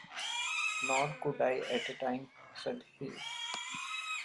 "Nor could I — at the time," said he.